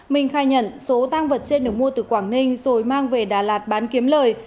minh khai nhận số tang vật trên được mua từ quảng ninh rồi mang về đà lạt bán kiếm lời